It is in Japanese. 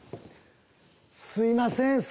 すみません。